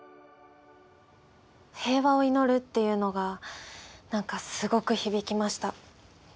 平和を祈るっていうのが何かすごく響きました。